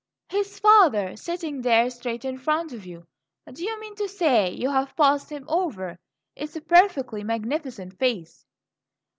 "His father, sitting there straight in front of you. Do you mean to say you've passed him over? It's a perfectly magnificent face."